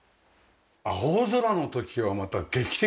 青空の時はまた劇的だろうね。